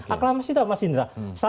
aklamasi itu mas indra